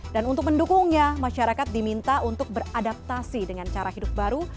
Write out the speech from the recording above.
dan untuk mendukungnya masyarakat diminta untuk beradaptasi dengan cara hidup baru